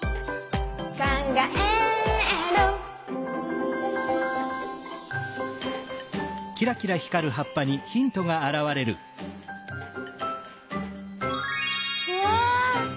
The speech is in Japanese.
「かんがえる」うわ！